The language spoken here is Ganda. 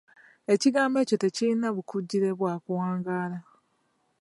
Ekigambo ekyo tekirina bukugire bwa kuwangaala.